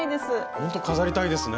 ほんと飾りたいですね！